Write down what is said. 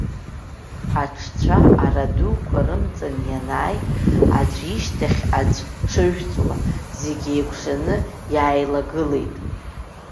Аҽцәа арадуқәа рымҵа ианааи, аӡә ишьҭахь аӡә дҽыжәҵуа, зегь еикәшаны иааилагылеит.